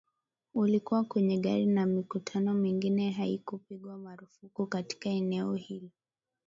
ulikuwa kwenye magari na mikutano mingine haikupigwa marufuku katika eneo hilo-hilo